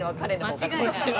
間違いない。